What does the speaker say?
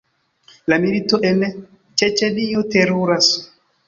La milito en Ĉeĉenio teruras.